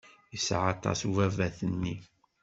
Yeɛya aṭas ubabat-nni.